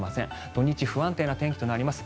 土日、不安定な天気となります。